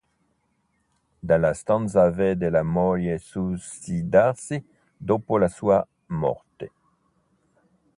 Dalla stanza vede la moglie suicidarsi dopo la sua morte.